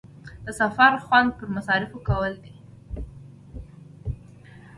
د سفر خوند پر مصارفو کولو کې دی.